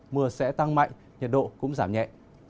mưa sẽ tăng mạnh nhiệt độ cũng giảm nhẹ